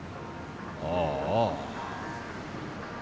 ああ。